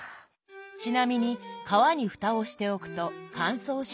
ちなみに皮にふたをしておくと乾燥しにくくなります。